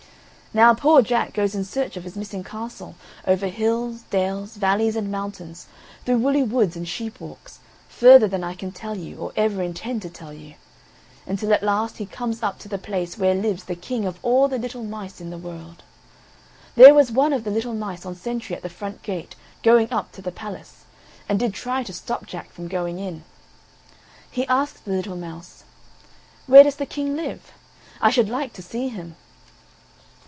Now poor Jack goes in search of his missing castle, over hills, dales, valleys, and mountains, through woolly woods and sheepwalks, further than I can tell you or ever intend to tell you. Until at last he comes up to the place where lives the King of all the little mice in the world. There was one of the little mice on sentry at the front gate going up to the palace, and did try to stop Jack from going in. He asked the little mouse: "Where does the King live? I should like to see him."